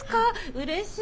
うれしい！